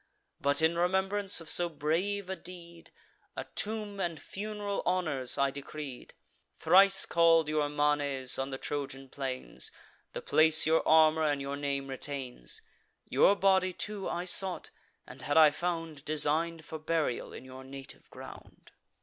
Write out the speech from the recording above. But, in remembrance of so brave a deed, A tomb and fun'ral honours I decreed; Thrice call'd your manes on the Trojan plains: The place your armour and your name retains. Your body too I sought, and, had I found, Design'd for burial in your native ground."